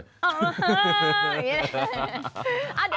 อ้าาาาาาอย่างนี้